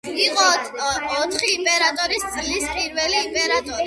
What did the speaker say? იყო ოთხი იმპერატორის წლის პირველი იმპერატორი.